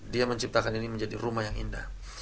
dia menciptakan ini menjadi rumah yang indah